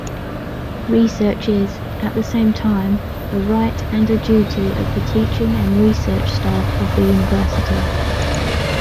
Research is, at the same time, a right and a duty of the teaching and research staff of the university.